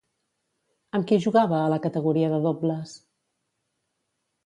Amb qui jugava a la categoria de dobles?